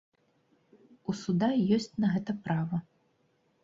У суда ёсць на гэта права.